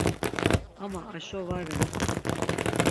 Ama aşo va ren.